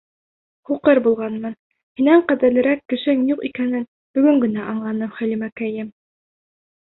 Һуҡыр булғанмын, һинән ҡәҙерлерәк кешем юҡ икәнен бөгөн генә аңланым, Хәлимәкәйем!